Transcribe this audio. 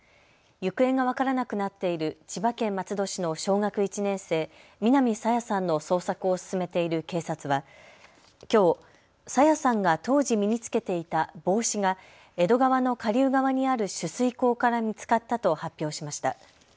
行方が分からなくなっている千葉県松戸市の小学１年生、南朝芽さんの捜索を進めている警察はきょう朝芽さんが当時身に着けていた帽子が江戸川の下流側にある取水口から見つかったと発表しました。